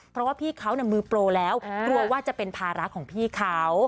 เพราะว่าพี่เขามือโปรแล้วกลัวว่าจะเป็นภาระของพี่เขา